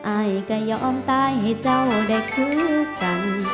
อายก็ยอมตายให้เจ้าได้คบกัน